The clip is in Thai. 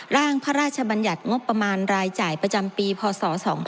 ร่างพระราชบัญญัติงบประมาณรายจ่ายประจำปีพศ๒๕๖